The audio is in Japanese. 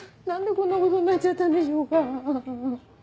何でこんなことになっちゃったんでしょうか。